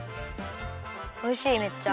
おいしいめっちゃ！